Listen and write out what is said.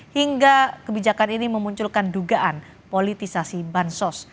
hingga kebijakan ini memunculkan dugaan politisasi bansos